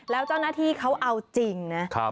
แล้วเจ้าหน้าที่เขาเอาจริงนะ